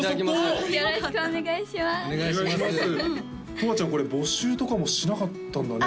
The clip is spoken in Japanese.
とわちゃんこれ募集とかもしなかったんだね